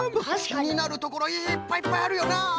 きになるところいっぱいいっぱいあるよな。